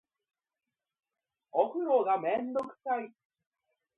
お風呂がめんどくさい